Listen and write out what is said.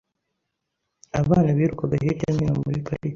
Abana birukaga hirya no hino muri parike .